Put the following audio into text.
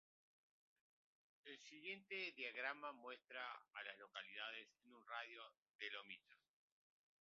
El siguiente diagrama muestra a las localidades en un radio de de Lomita.